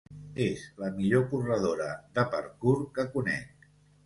És la millor corredora de parkour que conec.